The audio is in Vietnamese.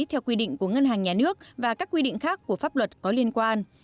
theo quy định của ngân hàng nhà nước và các quy định khác của pháp luật có liên quan